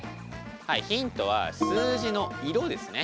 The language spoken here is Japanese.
ヒントは数字の色ですね。